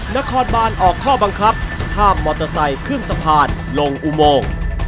นครบานออกข้อบังคับห้ามมอเตอร์ไซค์ขึ้นสะพานลงอุโมง